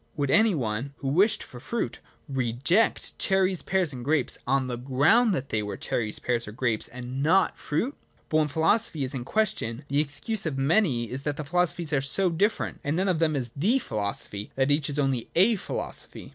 Would any one, who wished for fruit, reject cherries, pears, and grapes, on the ground that they were cherries, pears, or grapes, and not fruit? But when philosophy is in question, the excuse of many is that philosophies are so different, and none of them is the philosophy, — that each is only a philosophy.